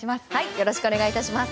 よろしくお願いします。